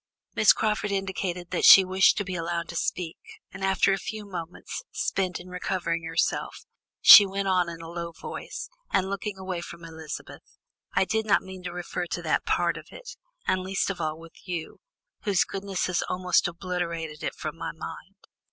Miss Crawford indicated that she wished to be allowed to speak, and after a few moments spent in recovering herself, she went on in a low voice, and looking away from Elizabeth: "I did not mean to refer to that part of it, and least of all with you, whose goodness has almost obliterated it from my mind.